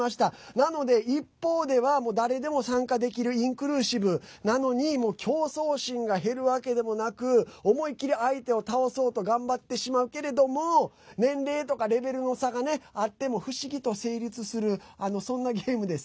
なので、一方では誰でも参加できるインクルーシブなのに競争心が減るわけでもなく思い切り相手を倒そうと頑張ってしまうけれども年齢とかレベルの差があっても不思議と成立するそんなゲームです。